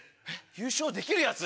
優勝できるヤツ？